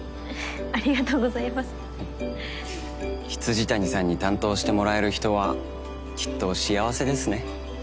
未谷さんに担当してもらえる人はきっと幸せですね。